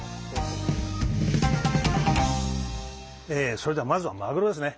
それではまずはマグロですね。